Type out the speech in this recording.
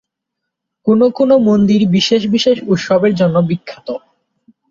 কোনো কোনো মন্দির বিশেষ বিশেষ উৎসবের জন্য বিখ্যাত।